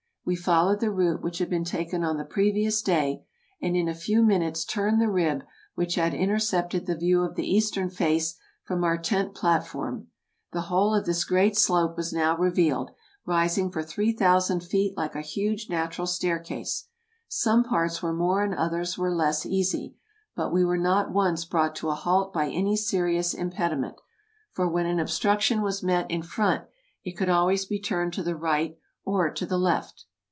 We followed the route which had been taken on the previous day, and in a few minutes turned the rib which had intercepted the view of the eastern face from our tent platform. The whole of this great slope was now revealed, rising for 3000 feet like a huge natural staircase. Some parts were more and others were less easy, but we were not once brought to a halt by any serious impediment, for when an obstruction was met in front it could always be turned to the right or to the left.